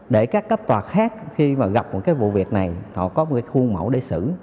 để các cấp tòa khác khi gặp một cái vụ việc này họ có một cái khuôn mẫu để xử